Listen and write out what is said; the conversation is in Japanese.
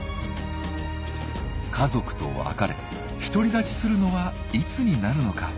家族と別れ独り立ちするのはいつになるのか。